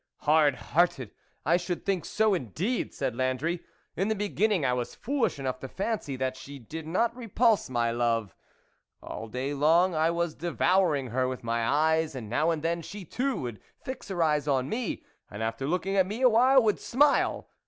" Hard hearted ! I should think so indeed !" said Landry. " In the begin ning, I was foolish enough to fancy that she did not repulse my love .... All day long I was devouring her with my eyes, and now and then, she too would fix her eyes on me, and after looking at me a while, would smile